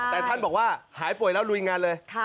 แต่ท่านบอกว่าหายป่วยแล้วลุยงานเลย